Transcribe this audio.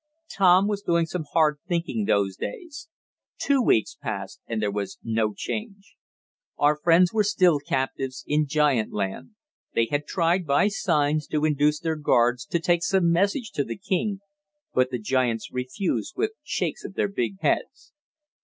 Tom was doing some hard thinking those days. Two weeks passed and there was no change. Our friends were still captives in giant land. They had tried, by signs, to induce their guards to take some message to the king, but the giants refused with shakes of their big heads.